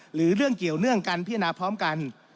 หรือเรื่องเกี่ยวเนื่องกันพิจารณาพร้อมกัน